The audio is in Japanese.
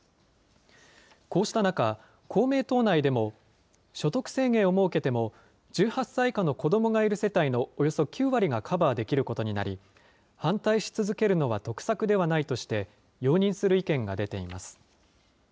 こうした中、公明党内でも所得制限を設けても１８歳以下の子どもがいる世帯のおよそ９割がカバーできることになり、反対し続けるのは得策ではないとして、容認する意見が出ています。